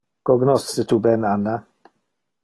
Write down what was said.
Cognosce tu ben Anna?